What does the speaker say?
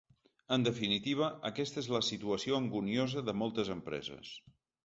En definitiva, aquesta és la situació anguniosa de moltes empreses.